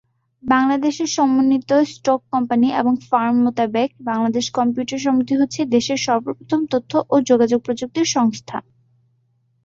বাংলাদেশের সমন্বিত stock company এবং ফার্ম মোতাবেক, বাংলাদেশ কম্পিউটার সমিতি হচ্ছে দেশের সর্বপ্রথম তথ্য ও যোগাযোগ প্রযুক্তি সংস্থা।